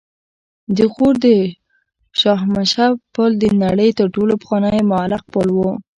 د غور د شاهمشه پل د نړۍ تر ټولو پخوانی معلق پل و